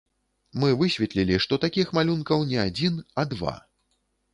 Мы высветлілі, што такіх малюнкаў не адзін, а два.